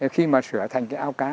khi mà sửa thành cái ao cá